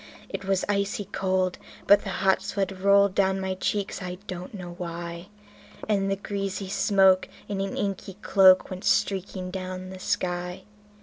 It was icy cold, but the hot sweat rolled down my cheeks, and I don't know why; And the greasy smoke in an inky cloak went streaking down the sky.